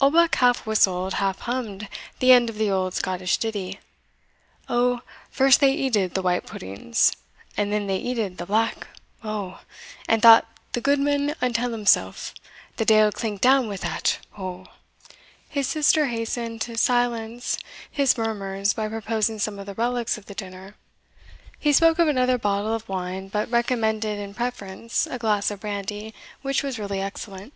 Oldbuck half whistled, half hummed, the end of the old Scottish ditty, O, first they eated the white puddings, And then they eated the black, O, And thought the gudeman unto himsell, The deil clink down wi' that, O! His sister hastened to silence his murmurs, by proposing some of the relies of the dinner. He spoke of another bottle of wine, but recommended in preference a glass of brandy which was really excellent.